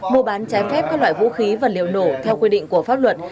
mô bán trái phép các loại vũ khí vật liệu nổ theo quy định của pháp luật